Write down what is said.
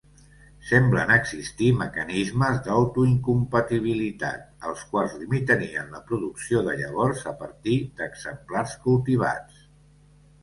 Semblen existir mecanismes d'autoincompatibilitat, els quals limitarien la producció de llavors a partir d'exemplars cultivats.